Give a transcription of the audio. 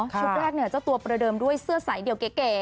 ชุดแรกเนี่ยเจ้าตัวประเดิมด้วยเสื้อใสเดี่ยวเก๋